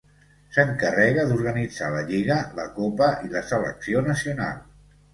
S'encarrega d'organitzar la Lliga, la Copa i la selecció nacional.